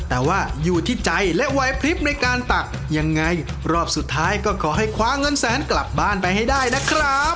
แต่ว่าอยู่ที่ใจและวัยพลิบในการตักยังไงรอบสุดท้ายก็ขอให้คว้าเงินแสนกลับบ้านไปให้ได้นะครับ